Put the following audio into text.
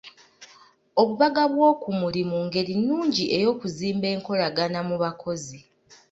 Obubaga bw'okumulimu ngeri nnungi ey'okuzimba enkolagana mu bakozi.